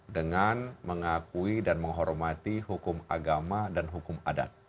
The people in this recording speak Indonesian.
dengan mengakui dan menghormati hukum agama dan hukum adat